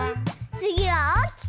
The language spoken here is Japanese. つぎはおおきく！